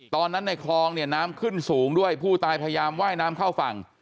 ในคลองเนี่ยน้ำขึ้นสูงด้วยผู้ตายพยายามไหว้น้ำเข้าฝั่ง